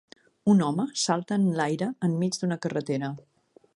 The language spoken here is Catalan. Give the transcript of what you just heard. Un home salta en l'aire enmig d'una carretera.